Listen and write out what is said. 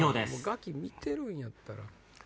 『ガキ』見てるんやったら。